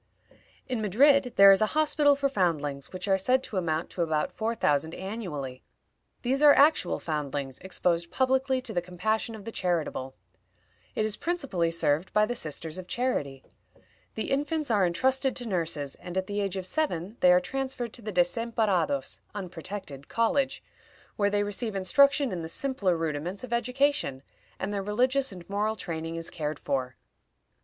In Madrid there is a hospital for foundlings, which are said to amount to about four thousand annually. These are actual foundlings, exposed publicly to the compassion of the charitable. It is principally served by the Sisters of Charity. The infants are intrusted to nurses, and at the age of seven they are transferred to the Desamparados (unprotected) college, where they receive instruction in the simpler rudiments of education, and their religious and moral training is cared for.